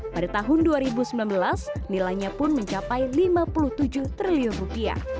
pada tahun dua ribu sembilan belas nilainya pun mencapai rp lima puluh tujuh triliun rupiah